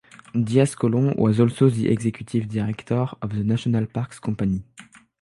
Diaz Colon was also the executive director of the National Parks Company.